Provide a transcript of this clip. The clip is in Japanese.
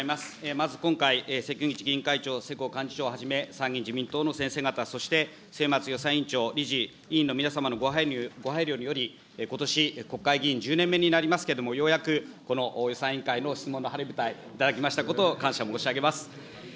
まず今回、、世耕幹事長をはじめ、参議院幹事長、先生方をはじめ、末松予算委員長、理事、委員の皆様のご配慮により、ことし国会議員１０年目になりますけれども、ようやく予算委員会のいただきましたことを感謝申し上げます。